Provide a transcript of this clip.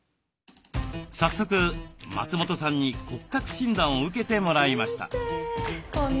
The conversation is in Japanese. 早速松本さんに骨格診断を受けてもらいました。